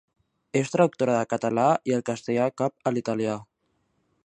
És traductora del català i el castellà cap a l’italià.